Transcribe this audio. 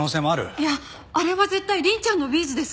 いやあれは絶対凛ちゃんのビーズです！